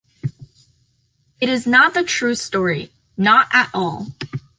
It is not the true story, not at all.